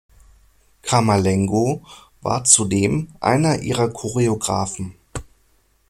Camerlengo war zudem einer ihrer Choreographen.